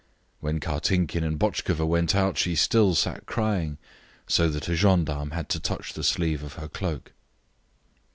When Kartinkin and Botchkova went out she still sat crying, so that a gendarme had to touch the sleeve of her cloak.